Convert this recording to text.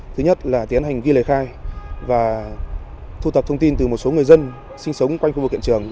thứ nhất là tiến hành ghi lời khai và thu thập thông tin từ một số người dân sinh sống quanh khu vực hiện trường